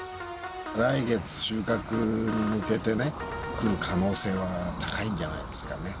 来月収穫に向けて、来る可能性は高いんじゃないですかね。